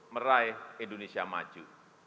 meraih indonesia maju